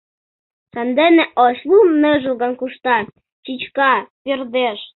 Сандене ош лум ныжылгын Кушта, чӱчка, пӧрдеш.